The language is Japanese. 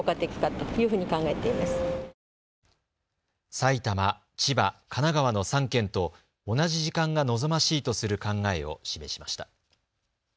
埼玉、千葉、神奈川の３県と同じ時間が望ましいとする考えを示しました。